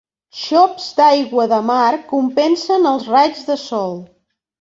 Xops d'aigua de mar compensen els raigs de calor.